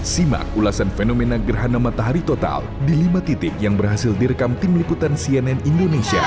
simak ulasan fenomena gerhana matahari total di lima titik yang berhasil direkam tim liputan cnn indonesia